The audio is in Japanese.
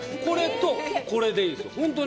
これとこれでいいんです。